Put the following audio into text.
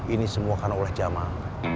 ini semua karena ulah jamaah